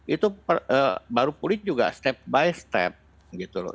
itu baru pulih juga step by step gitu loh